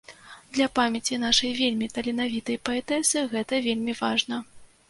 Для памяці нашай вельмі таленавітай паэтэсы гэта вельмі важна.